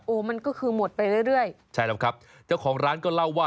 มันก็คือหมดไปเรื่อยเรื่อยใช่แล้วครับเจ้าของร้านก็เล่าว่า